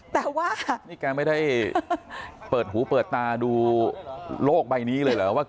แต่ว่านี่แกไม่ได้เปิดหูเปิดตาดูโลกใบนี้เลยเหรอว่า